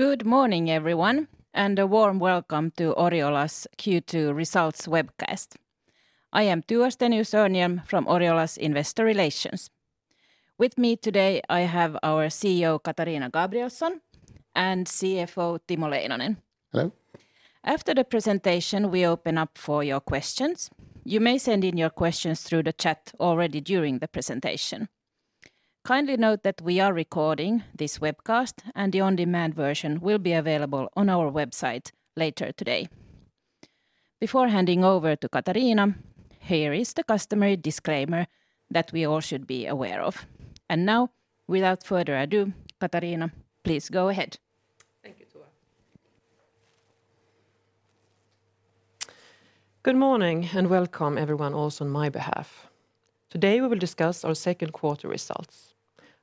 Good morning, everyone, and a warm welcome to Oriola's Q2 results webcast. I am Tua Stenius-Örnhjelm from Oriola's Investor Relations. With me today, I have our CEO, Katarina Gabrielson, and CFO, Timo Leinonen. Hello. After the presentation, we open up for your questions. You may send in your questions through the chat already during the presentation. Kindly note that we are recording this webcast, and the on-demand version will be available on our website later today. Before handing over to Katarina, here is the customary disclaimer that we all should be aware of. Now, without further ado, Katarina, please go ahead. Thank you, Tua. Good morning, and welcome everyone also on my behalf. Today, we will discuss our second quarter results.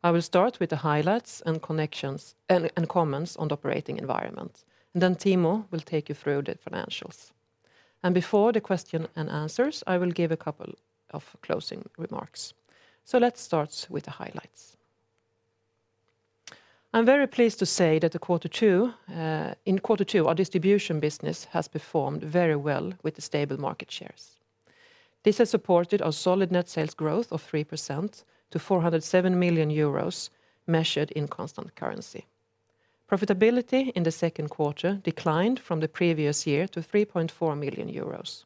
I will start with the highlights and connections, and comments on the operating environment, and then Timo will take you through the financials. Before the question and answers, I will give a couple of closing remarks. Let's start with the highlights. I'm very pleased to say that the quarter two, in quarter two, our distribution business has performed very well with the stable market shares. This has supported our solid net sales growth of 3% to 407 million euros, measured in constant currency. Profitability in the second quarter declined from the previous year to 3.4 million euros.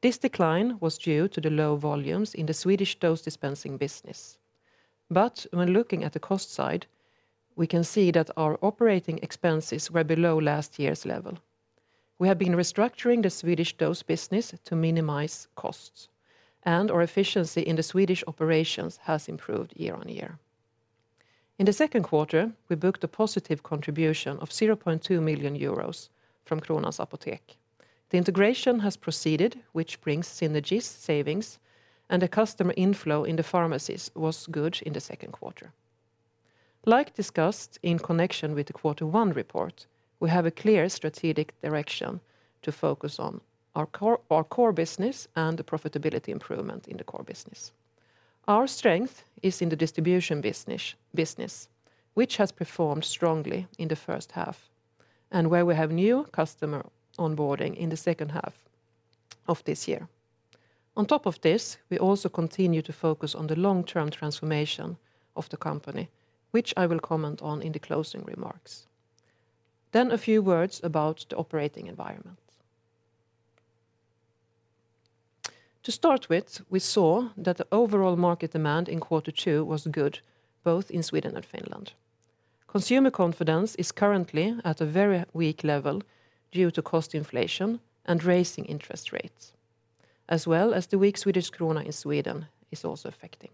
This decline was due to the low volumes in the Swedish dose dispensing business. When looking at the cost side, we can see that our operating expenses were below last year's level. We have been restructuring the Swedish dose business to minimize costs, and our efficiency in the Swedish operations has improved year-on-year. In the second quarter, we booked a positive contribution of 0.2 million euros from Kronans Apotek. The integration has proceeded, which brings synergies, savings, and the customer inflow in the pharmacies was good in the second quarter. Like discussed in connection with the quarter one report, we have a clear strategic direction to focus on our core business and the profitability improvement in the core business. Our strength is in the distribution business, which has performed strongly in the first half, and where we have new customer onboarding in the second half of this year. On top of this, we also continue to focus on the long-term transformation of the company, which I will comment on in the closing remarks. A few words about the operating environment. To start with, we saw that the overall market demand in Q2 was good, both in Sweden and Finland. Consumer confidence is currently at a very weak level due to cost inflation and raising interest rates, as well as the weak Swedish krona in Sweden is also affecting.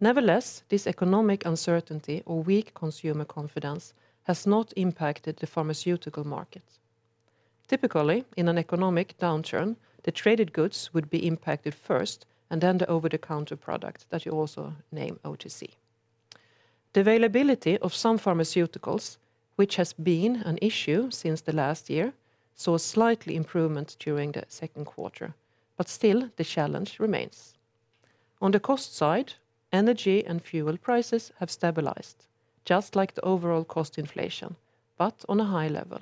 Nevertheless, this economic uncertainty or weak consumer confidence has not impacted the pharmaceutical market. Typically, in an economic downturn, the traded goods would be impacted first, and then the over-the-counter product that you also name OTC. The availability of some pharmaceuticals, which has been an issue since the last year, saw a slightly improvement during the second quarter, but still the challenge remains. On the cost side, energy and fuel prices have stabilized, just like the overall cost inflation, but on a high level.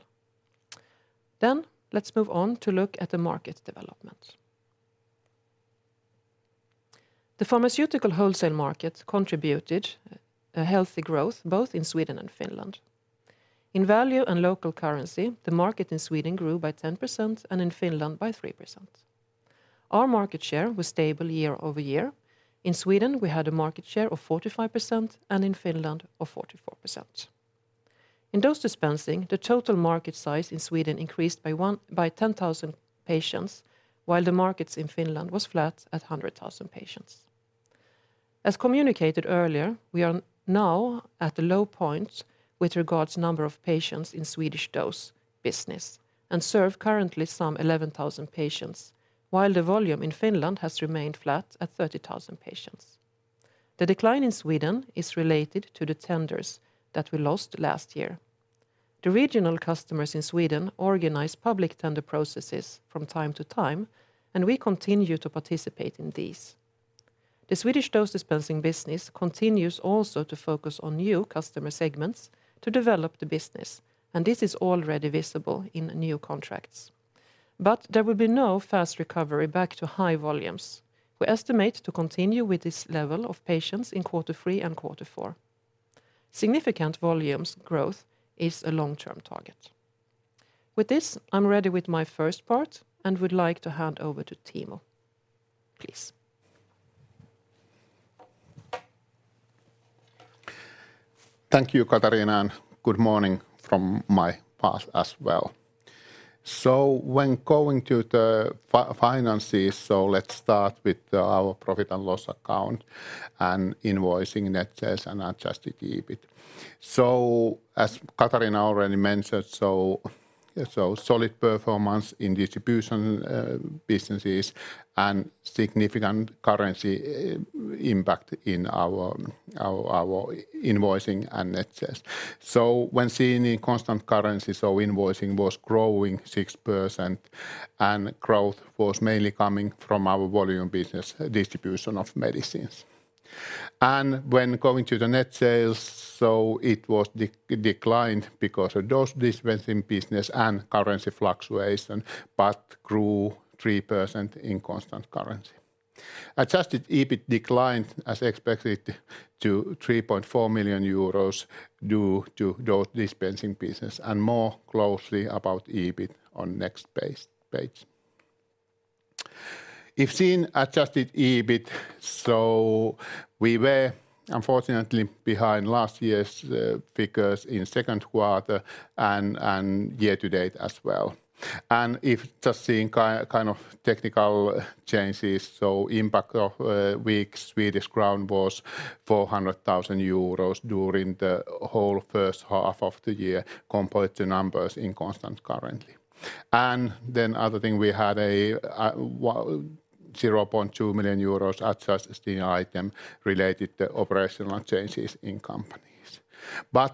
Let's move on to look at the market development. The pharmaceutical wholesale market contributed a healthy growth, both in Sweden and Finland. In value and local currency, the market in Sweden grew by 10%, and in Finland by 3%. Our market share was stable year over year. In Sweden, we had a market share of 45%, and in Finland of 44%. In dose dispensing, the total market size in Sweden increased by 10,000 patients, while the markets in Finland was flat at 100,000 patients. As communicated earlier, we are now at a low point with regards number of patients in Svensk dos business, and serve currently some 11,000 patients, while the volume in Finland has remained flat at 30,000 patients. The decline in Sweden is related to the tenders that we lost last year. The regional customers in Sweden organize public tender processes from time to time, and we continue to participate in these. The Swedish dose dispensing business continues also to focus on new customer segments to develop the business, and this is already visible in new contracts. There will be no fast recovery back to high volumes. We estimate to continue with this level of patients in quarter three and quarter four. Significant volumes growth is a long-term target. With this, I'm ready with my first part and would like to hand over to Timo. Please. Thank you, Katarina, and good morning from my part as well. When going to the finances, let's start with our profit and loss account and invoicing net sales and adjusted EBIT. As Katarina already mentioned, so solid performance in distribution businesses and significant currency impact in our invoicing and net sales. When seeing in constant currency, invoicing was growing 6%, and growth was mainly coming from our volume business, distribution of medicines. When going to the net sales, it was declined because of dose dispensing business and currency fluctuation, but grew 3% in constant currency. Adjusted EBIT declined as expected to 3.4 million euros due to dose dispensing business, and more closely about EBIT on next page. If seeing adjusted EBIT, we were unfortunately behind last year's figures in second quarter and year to date as well. If just seeing kind of technical changes, impact of weak Swedish crown was 400,000 euros during the whole first half of the year, compared to numbers in constant currency. Other thing, we had a EUR 0.2 million adjusted item related to operational changes in companies.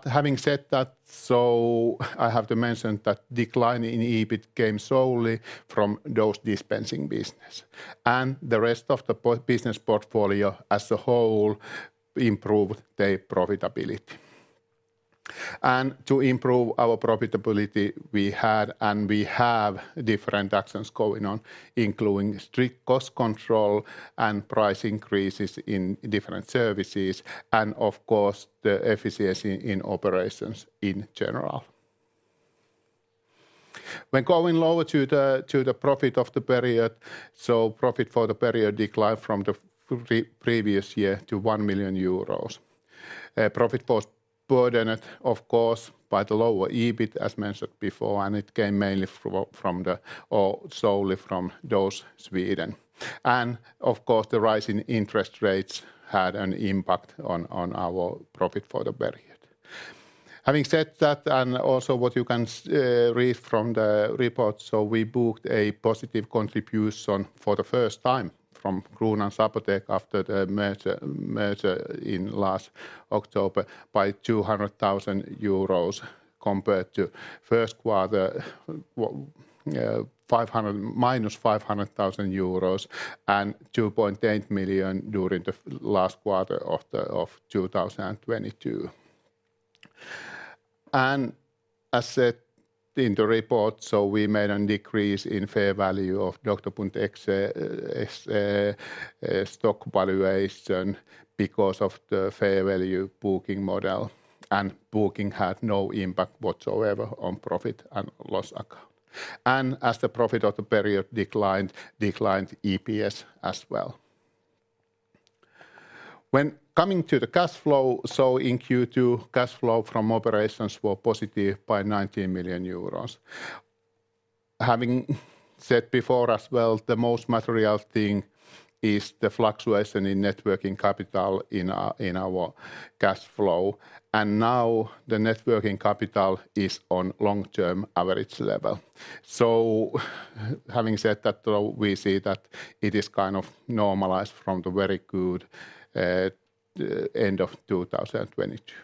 Having said that, I have to mention that decline in EBIT came solely from dose dispensing business, and the rest of the business portfolio as a whole improved their profitability. To improve our profitability, we have different actions going on, including strict cost control and price increases in different services and, of course, the efficiency in operations in general. When going lower to the profit of the period, profit for the period declined from the previous year to 1 million euros. Profit was burdened, of course, by the lower EBIT, as mentioned before, and it came mainly from, or solely from Svensk dos. Of course, the rise in interest rates had an impact on our profit for the period. Having said that, and also what you can read from the report, we booked a positive contribution for the first time from Kronans Apotek after the merger in last October by 200,000 euros, compared to first quarter, 500... minus 500,000 euros and 2.8 million during the last quarter of 2022. As said in the report, we made a decrease in fair value of Dr. Drägerwerk stock valuation because of the fair value booking model, booking had no impact whatsoever on profit and loss account. As the profit of the period declined EPS as well. When coming to the cash flow, in Q2, cash flow from operations were positive by 90 million euros. Having said before as well, the most material thing is the fluctuation in net working capital in our cash flow, now the net working capital is on long-term average level. Having said that, though, we see that it is kind of normalized from the very good end of 2022.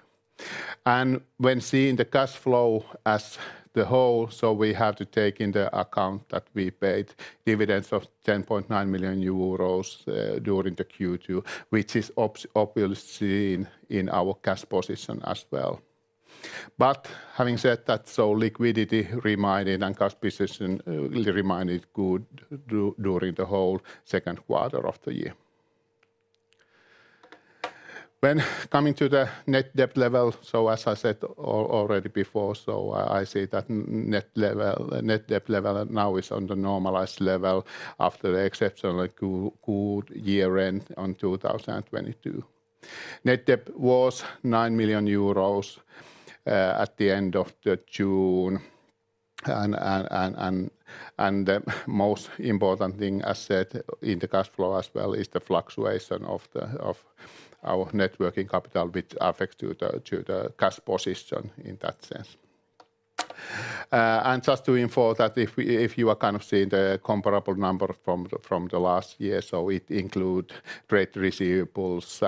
When seeing the cash flow as the whole, we have to take into account that we paid dividends of 10.9 million euros during the Q2, which is obviously seen in our cash position as well. Having said that, liquidity remained and cash position remained good during the whole second quarter of the year. When coming to the net debt level, as I said already before, I see that net debt level now is on the normalized level after the exceptionally good year end on 2022. Net debt was 9 million euros at the end of the June. The most important thing, as said in the cash flow as well, is the fluctuation of the, of our net working capital, which affects to the, to the cash position in that sense. Just to inform that if we, if you are seeing the comparable number from the last year, it include trade receivables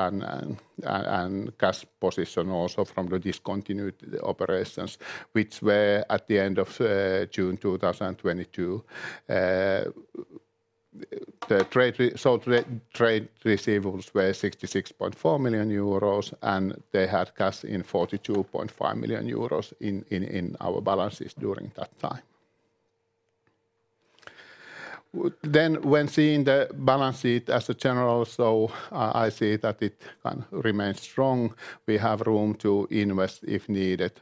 and cash position also from the discontinued operations, which were at the end of June 2022. Trade receivables were 66.4 million euros, they had cash in 42.5 million euros in our balances during that time. When seeing the balance sheet as a general, I see that it remains strong. We have room to invest if needed.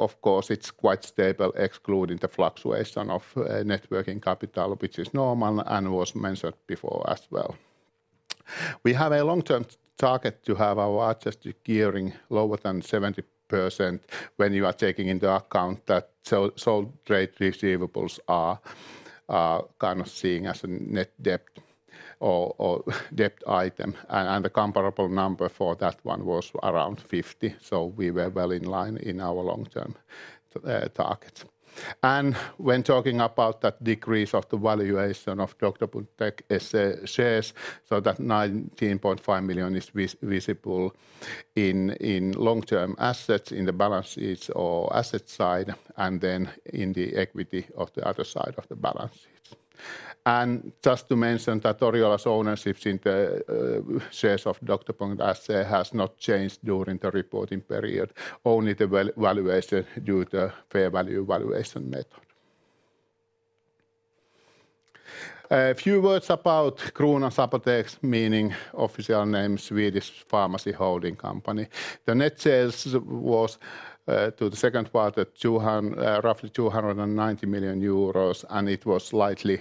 Of course, it's quite stable, excluding the fluctuation of net working capital, which is normal and was mentioned before as well. We have a long-term target to have our adjusted gearing lower than 70%. When you are taking into account that sell, so trade receivables are kind of seen as a net debt or debt item. The comparable number for that one was around 50, so we were well in line in our long-term target. When talking about that decrease of the valuation of Drägerwerk shares, so that 19.5 million is visible in long-term assets, in the balance sheets or asset side, and then in the equity of the other side of the balance. Just to mention that Oriola's ownership in the shares of Drägerwerk has not changed during the reporting period, only the valuation due to fair value valuation method. A few words about Kronans Apotek, meaning official name, Swedish Pharmacy Holding AB. The net sales was to the second quarter, roughly 290 million euros, and it was slightly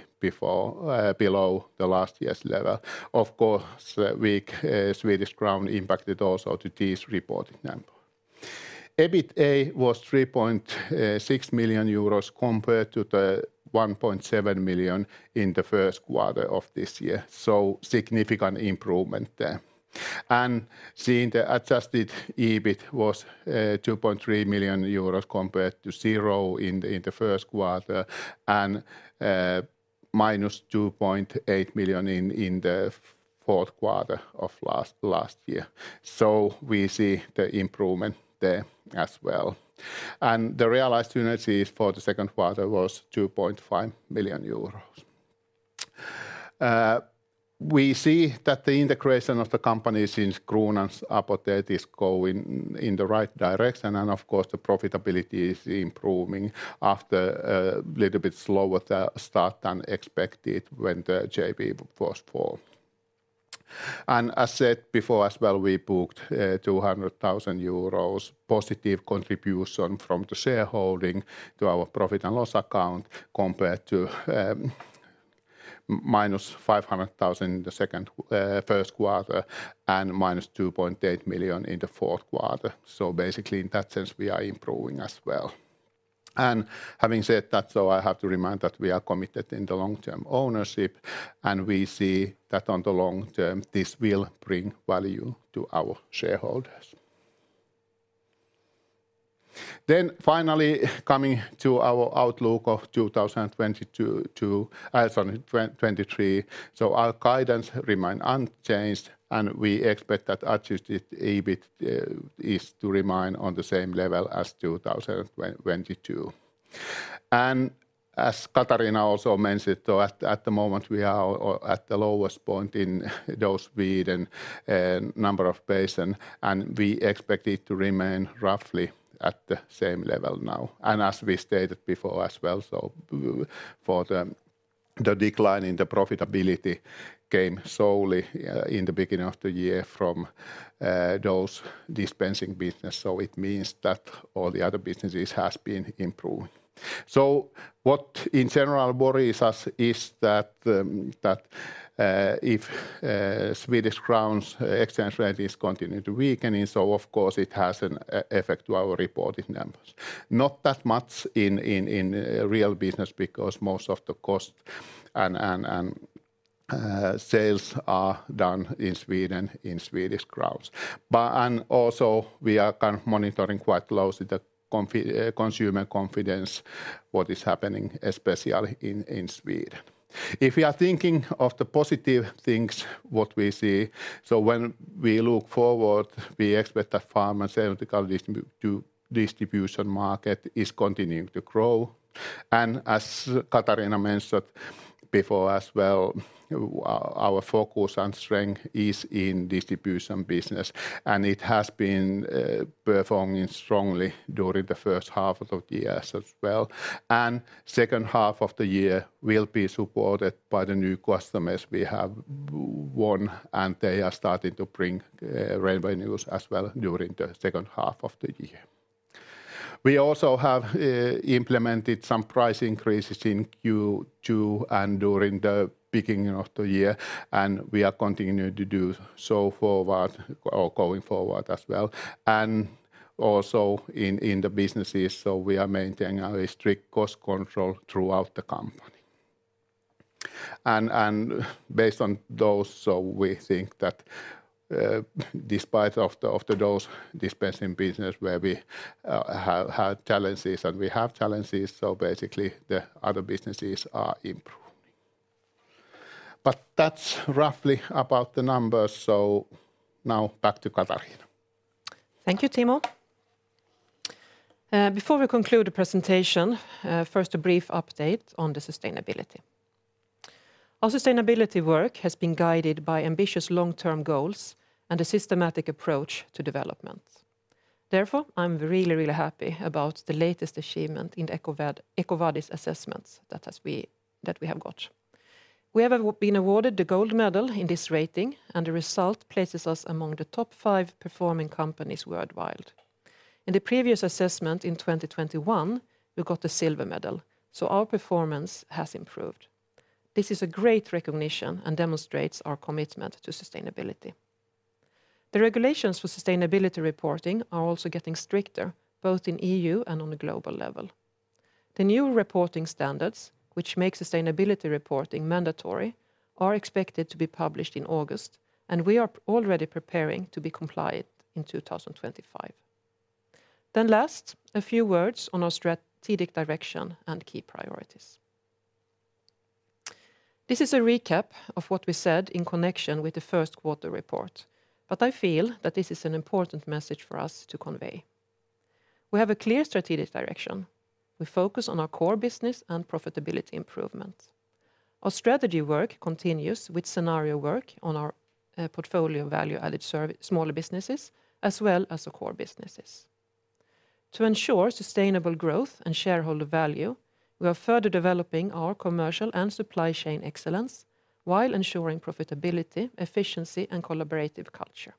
below the last year's level. Of course, weak Swedish crown impacted also to this reported number. EBITA was 3.6 million euros compared to 1.7 million in the first quarter of this year, so significant improvement there. Seeing the adjusted EBIT was 2.3 million euros compared to 0 in the first quarter, and minus 2.8 million in the fourth quarter of last year. We see the improvement there as well. The realized synergies for the second quarter was 2.5 million euros. We see that the integration of the company since Kronans Apotek is going in the right direction. Of course, the profitability is improving after a little bit slower the start than expected when the JV was formed. As said before as well, we booked 200,000 euros positive contribution from the shareholding to our profit and loss account, compared to minus 500,000 in the second, first quarter, and minus 2.8 million in the fourth quarter. Basically, in that sense, we are improving as well. Having said that, so I have to remind that we are committed in the long-term ownership, and we see that on the long term, this will bring value to our shareholders. Finally, coming to our outlook of 2022 to 2023. Our guidance remain unchanged, and we expect that adjusted EBIT is to remain on the same level as 2022. As Katarina also mentioned, at the moment, we are all at the lowest point in dose speed and number of patient, and we expect it to remain roughly at the same level now. As we stated before as well, for the decline in the profitability came solely in the beginning of the year from dose dispensing business. It means that all the other businesses has been improved. What in general worries us is that if Swedish crown exchange rate is continuing to weakening, of course, it has an effect to our reported numbers. Not that much in, in real business, because most of the cost and, and, sales are done in Sweden, in Swedish crowns. Also, we are kind of monitoring quite closely the consumer confidence, what is happening, especially in Sweden. If we are thinking of the positive things, what we see, when we look forward, we expect that pharmaceutical distribution market is continuing to grow. As Katarina mentioned before as well, our focus and strength is in distribution business, and it has been performing strongly during the first half of the year as well. Second half of the year will be supported by the new customers we have won, and they are starting to bring revenues as well during the second half of the year. We also have implemented some price increases in Q2 and during the beginning of the year, and we are continuing to do so forward, or going forward as well, and also in the businesses, so we are maintaining a strict cost control throughout the company. Based on those, so we think that, despite of the dose dispensing business, where we have had challenges and we have challenges, so basically, the other businesses are improving. That's roughly about the numbers. Now back to Katarina. Thank you, Timo. Before we conclude the presentation, first, a brief update on the sustainability. Our sustainability work has been guided by ambitious long-term goals and a systematic approach to development. Therefore, I'm really happy about the latest achievement in the EcoVadis assessments that we have got. We have been awarded the gold medal in this rating, and the result places us among the top five performing companies worldwide. In the previous assessment in 2021, we got the silver medal, so our performance has improved. This is a great recognition and demonstrates our commitment to sustainability. The regulations for sustainability reporting are also getting stricter, both in EU and on a global level. The new reporting standards, which make sustainability reporting mandatory, are expected to be published in August, and we are already preparing to be compliant in 2025. Last, a few words on our strategic direction and key priorities. This is a recap of what we said in connection with the first quarter report, I feel that this is an important message for us to convey. We have a clear strategic direction. We focus on our core business and profitability improvement. Our strategy work continues with scenario work on our portfolio value-added smaller businesses, as well as the core businesses. To ensure sustainable growth and shareholder value, we are further developing our commercial and supply chain excellence while ensuring profitability, efficiency, and collaborative culture.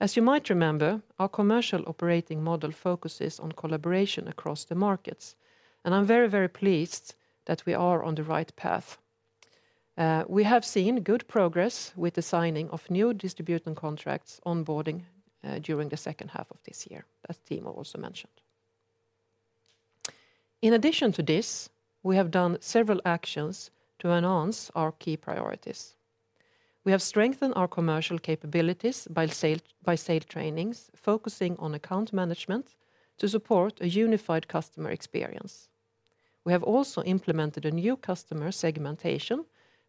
As you might remember, our commercial operating model focuses on collaboration across the markets, I'm very, very pleased that we are on the right path. We have seen good progress with the signing of new distribution contracts onboarding during the second half of this year, as Timo also mentioned. In addition to this, we have done several actions to enhance our key priorities. We have strengthened our commercial capabilities by sale trainings, focusing on account management to support a unified customer experience. We have also implemented a new customer segmentation,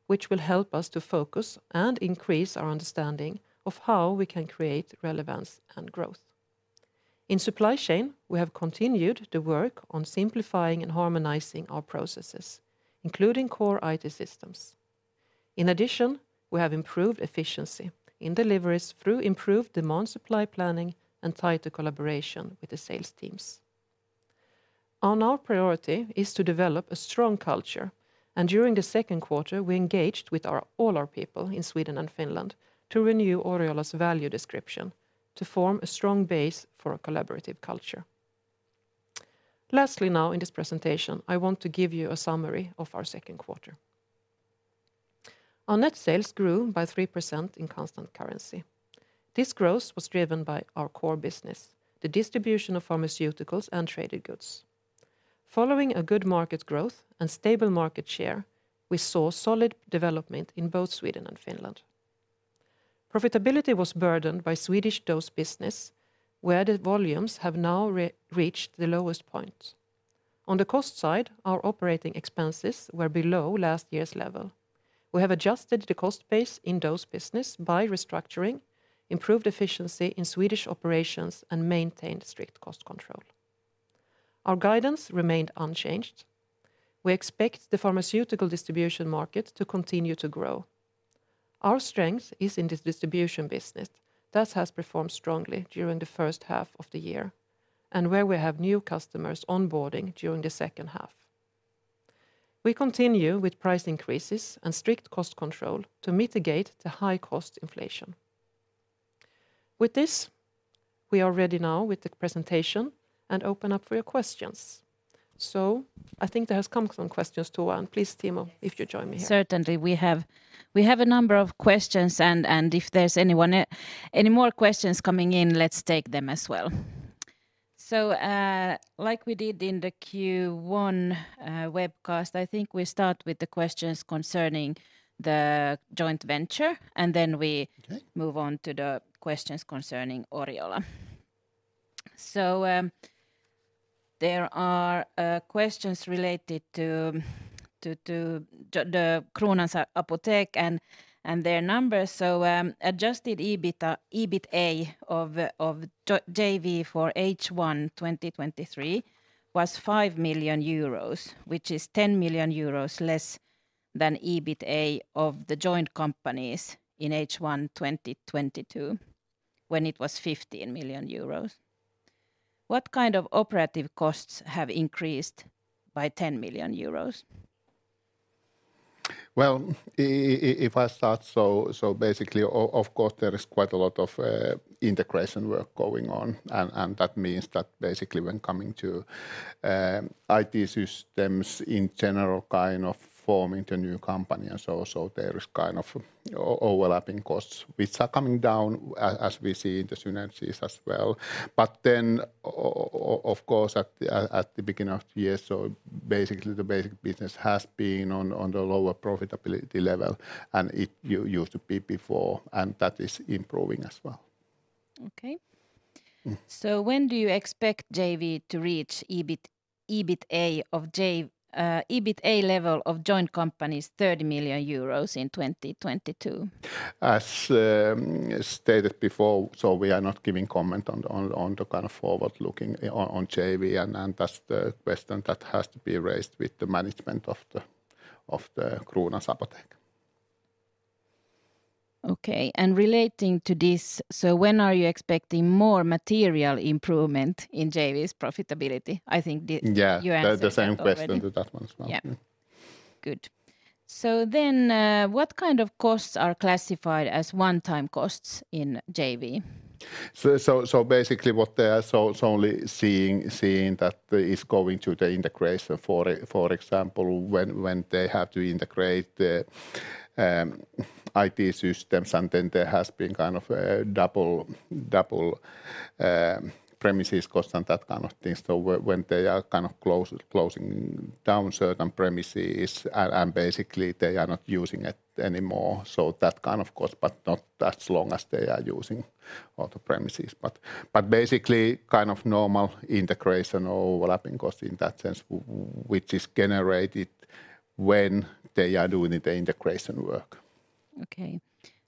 which will help us to focus and increase our understanding of how we can create relevance and growth. In supply chain, we have continued to work on simplifying and harmonizing our processes, including core IT systems. In addition, we have improved efficiency in deliveries through improved demand, supply planning, and tighter collaboration with the sales teams. Another priority is to develop a strong culture, and during the second quarter, we engaged with our... all our people in Sweden and Finland to renew Oriola's value description to form a strong base for a collaborative culture. Lastly, now, in this presentation, I want to give you a summary of our second quarter. Our net sales grew by 3% in constant currency. This growth was driven by our core business, the distribution of pharmaceuticals and traded goods. Following a good market growth and stable market share, we saw solid development in both Sweden and Finland. Profitability was burdened by Swedish dose business, where the volumes have now reached the lowest point. On the cost side, our operating expenses were below last year's level. We have adjusted the cost base in dose business by restructuring, improved efficiency in Swedish operations, and maintained strict cost control. Our guidance remained unchanged. We expect the pharmaceutical distribution market to continue to grow. Our strength is in the distribution business. That has performed strongly during the first half of the year, and where we have new customers onboarding during the second half. We continue with price increases and strict cost control to mitigate the high cost inflation. With this, we are ready now with the presentation and open up for your questions. I think there has come some questions to one. Please, Timo, if you join me. Certainly, we have a number of questions, and if there's anyone, any more questions coming in, let's take them as well. Like we did in the Q1 webcast, I think we start with the questions concerning the joint venture. Okay. We move on to the questions concerning Oriola. There are questions related to the Kronans Apotek and their numbers. Adjusted EBITA of JV for H1 2023 was 5 million euros, which is 10 million euros less than EBITA of the joint companies in H1 2022, when it was 15 million euros. What kind of operative costs have increased by 10 million euros? Well, if I start, so basically, of course, there is quite a lot of integration work going on, and that means that basically when coming to IT systems in general, kind of forming the new company, so there is kind of overlapping costs, which are coming down as we see in the synergies as well. Of course, at the beginning of the year, so basically, the basic business has been on the lower profitability level than it used to be before, and that is improving as well. Okay........ When do you expect JV to reach EBITA level of joint companies 30 million euros in 2022? stated before, we are not giving comment on the kind of forward looking on JV, and that's the question that has to be raised with the management of the Kronans Apotek. Relating to this, when are you expecting more material improvement in JV's profitability? Yeah-... You answered that. The same question with that one as well. Yeah. Good. What kind of costs are classified as one-time costs in JV? Basically what they are so, only seeing that is going to the integration, for example, when they have to integrate the IT systems, and then there has been kind of a double premises cost and that kind of thing. When they are kind of closing down certain premises and basically they are not using it anymore, so that kind of cost, but not as long as they are using all the premises. Basically kind of normal integration or overlapping costs in that sense, which is generated when they are doing the integration work. Okay.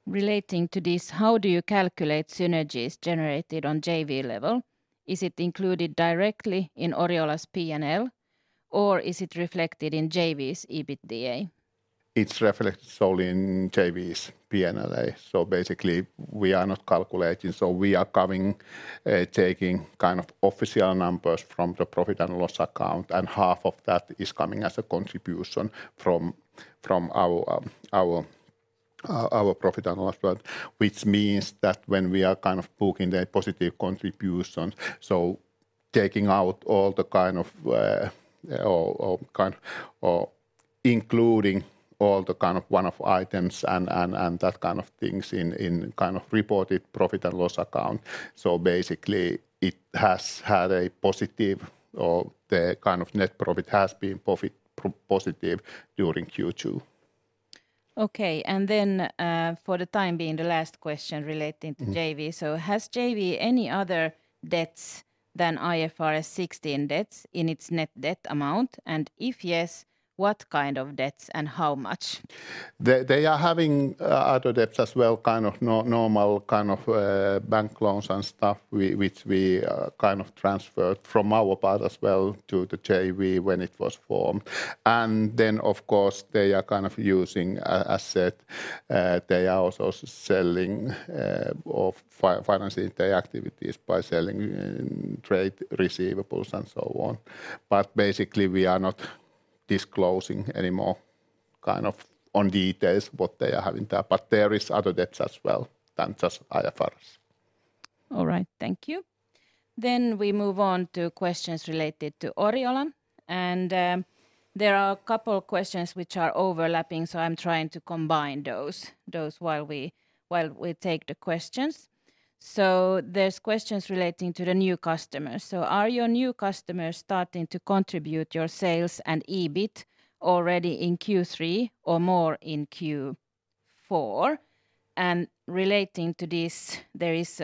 Relating to this, how do you calculate synergies generated on JV level? Is it included directly in Oriola's P&L, or is it reflected in JV's EBITDA? It's reflected solely in JV's P&LA. We are not calculating, we are coming, taking kind of official numbers from the profit and loss account, and half of that is coming as a contribution from our profit and loss. Which means that when we are kind of booking the positive contribution, taking out all the kind of, or including all the kind of one-off items and that kind of things in kind of reported profit and loss account. It has had a positive, or the kind of net profit has been profit positive during Q2. Okay, for the time being, the last question.......... To JV. Has JV any other debts than IFRS 16 debts in its net debt amount? If yes, what kind of debts and how much? They are having other debts as well, kind of normal, kind of bank loans and stuff, which we kind of transferred from our part as well to the JV when it was formed. Then, of course, they are kind of using an asset, they are also selling or financing their activities by selling trade receivables and so on. Basically, we are not disclosing any more, kind of, on details what they are having there, but there is other debts as well than just IFRS. All right, thank you. We move on to questions related to Oriola. There are a couple of questions which are overlapping, so I'm trying to combine those while we take the questions. There's questions relating to the new customers. Are your new customers starting to contribute your sales and EBIT already in Q3 or more in Q4? Relating to this, there is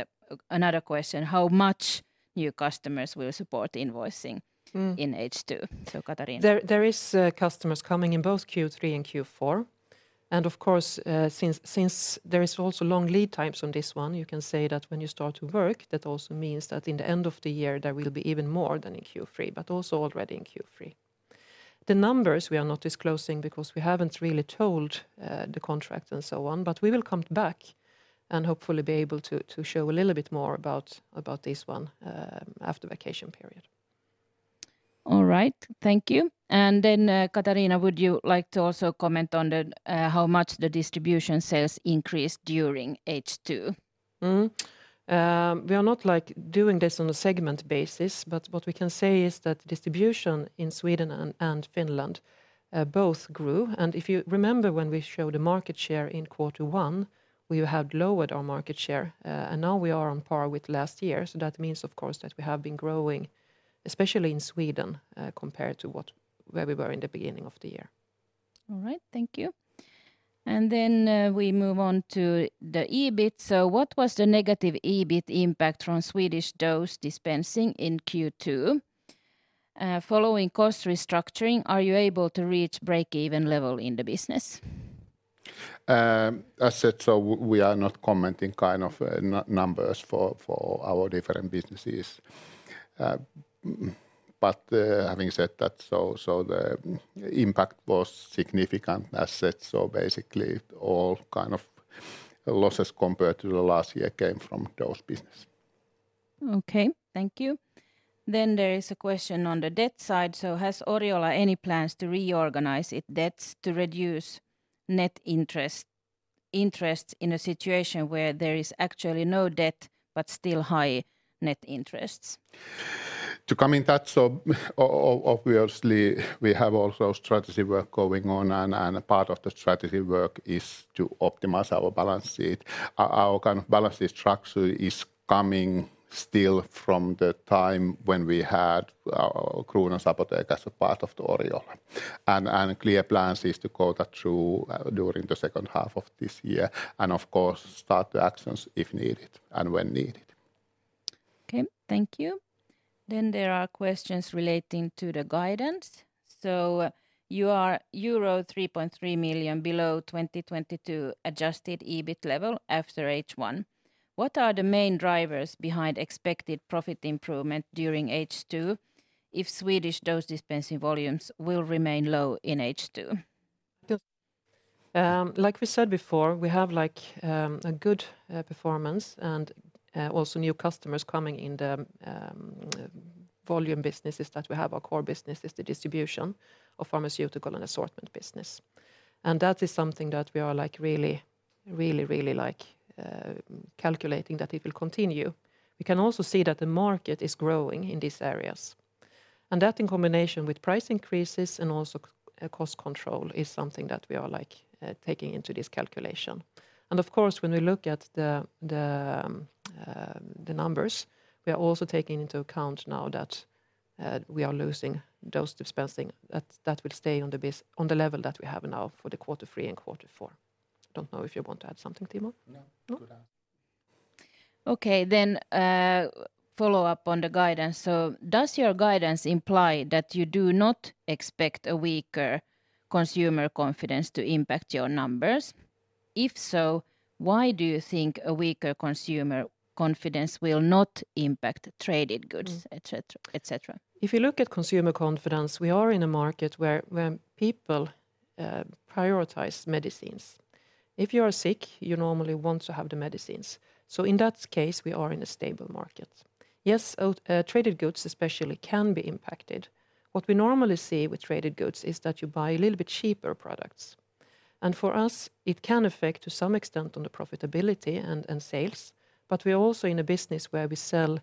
another question: How much new customers will support invoicing-........ In H2? Katarina. There is customers coming in both Q3 and Q4. Of course, since there is also long lead times on this one, you can say that when you start to work, that also means that in the end of the year there will be even more than in Q3, but also already in Q3. The numbers we are not disclosing because we haven't really told the contract and so on, but we will come back and hopefully be able to show a little bit more about this one after vacation period. All right. Thank you. Then, Katarina, would you like to also comment on the, how much the distribution sales increased during H2? We are not, like, doing this on a segment basis, but what we can say is that distribution in Sweden and Finland both grew. If you remember, when we showed the market share in quarter one, we had lowered our market share, and now we are on par with last year. That means, of course, that we have been growing, especially in Sweden, compared to where we were in the beginning of the year. All right, thank you. We move on to the EBIT. What was the negative EBIT impact from Swedish Dose Dispensing in Q2? Following cost restructuring, are you able to reach break-even level in the business? As said, we are not commenting kind of numbers for our different businesses. Having said that, the impact was significant as such, basically all kind of losses compared to the last year came from dose business. Thank you. There is a question on the debt side: Has Oriola any plans to reorganize its debts to reduce net interests in a situation where there is actually no debt, but still high net interests? To comment that, obviously, we have also strategy work going on, and part of the strategy work is to optimize our balance sheet. Our kind of balance sheet structure is coming still from the time when we had Kronans Apotek as a part of the Oriola. Clear plans is to go that through during the second half of this year, and of course, start the actions if needed and when needed. Okay, thank you. There are questions relating to the guidance. You are euro 3.3 million below 2022 adjusted EBIT level after H1. What are the main drivers behind expected profit improvement during H2 if Swedish dose dispensing volumes will remain low in H2? We said before, we have a good performance and also new customers coming in the volume businesses that we have. Our core business is the distribution of pharmaceutical and assortment business. That is something that we are calculating that it will continue. We can also see that the market is growing in these areas, and that in combination with price increases and also cost control, is something that we are taking into this calculation. Of course, when we look at the numbers, we are also taking into account now that we are losing dose dispensing. That will stay on the level that we have now for the quarter three and quarter four. I don't know if you want to add something, Timo? No. No? Good Follow up on the guidance. Does your guidance imply that you do not expect a weaker consumer confidence to impact your numbers? If so, why do you think a weaker consumer confidence will not impact traded goods, et cetera, et cetera? If you look at consumer confidence, we are in a market where people prioritize medicines. If you are sick, you normally want to have the medicines. In that case, we are in a stable market. Yes, traded goods especially can be impacted. What we normally see with traded goods is that you buy a little bit cheaper products, and for us, it can affect to some extent on the profitability and sales, but we are also in a business where we sell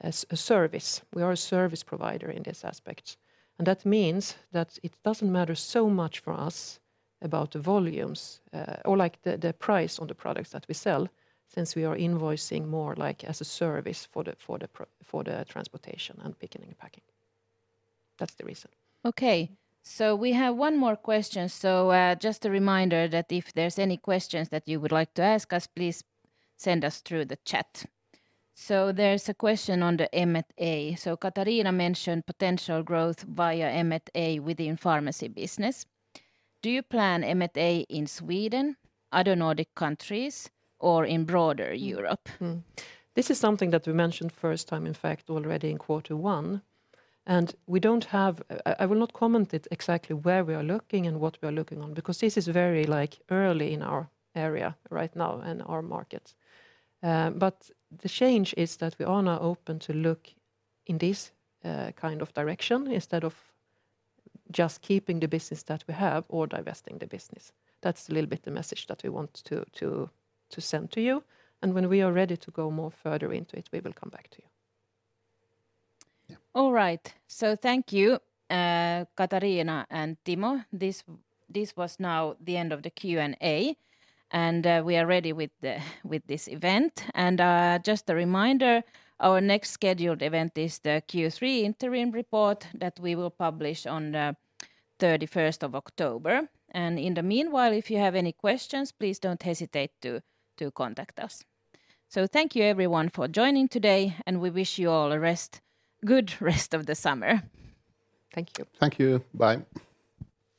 as a service. We are a service provider in this aspect, and that means that it doesn't matter so much for us about the volumes, or, like, the price on the products that we sell, since we are invoicing more like as a service for the transportation and picking and packing. That's the reason. Okay, we have one more question. Just a reminder that if there's any questions that you would like to ask us, please send us through the chat. There's a question on the M&A. Katarina mentioned potential growth via M&A within pharmacy business. Do you plan M&A in Sweden, other Nordic countries, or in broader Europe? This is something that we mentioned first time, in fact, already in quarter one. I will not comment it exactly where we are looking and what we are looking on, because this is very, like, early in our area right now and our markets. The change is that we are now open to look in this kind of direction instead of just keeping the business that we have or divesting the business. That's a little bit the message that we want to send to you, and when we are ready to go more further into it, we will come back to you. All right. Thank you, Katarina and Timo. This was now the end of the Q&A, and we are ready with this event. Just a reminder, our next scheduled event is the Q3 interim report that we will publish on 31st of October. In the meanwhile, if you have any questions, please don't hesitate to contact us. Thank you, everyone, for joining today, and we wish you all a good rest of the summer. Thank you. Thank you. Bye.